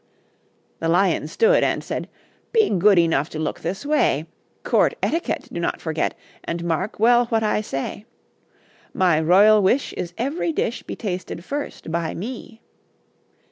The Lion stood, And said: "Be good Enough to look this way; Court Etiquette Do not forget, And mark well what I say: My royal wish Is ev'ry dish Be tasted first by me."